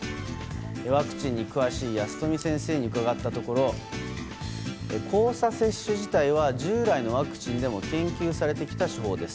ワクチンに詳しい保富先生に伺ったところ、交差接種自体は従来のワクチンでも研究されてきた手法です。